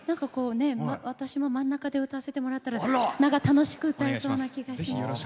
私も真ん中で歌わせてもらったら楽しく歌えそうな気がします。